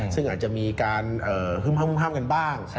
ซึ่งอาจจะมีการฮึ้มกันบ้าง